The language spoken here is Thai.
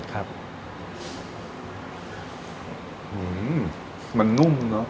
มันนุ่มเนอะ